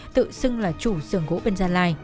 tự xưng là chủ sườn gỗ bên gia lai